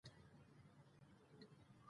طلا د افغانستان طبعي ثروت دی.